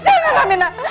jangan jangan aminah